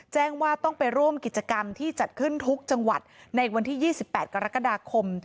แจ้งว่าต้องไปร่วมกิจกรรมที่จัดขึ้นทุกจังหวัดในวันที่๒๘กรกฎาคม